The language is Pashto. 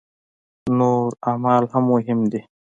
نور اعمال هم مهم دي.